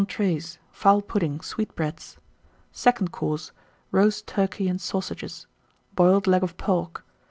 ENTREES. Fowl Pudding. Sweetbreads. SECOND COURSE. Roast Turkey and Sausages. Boiled Leg of Pork.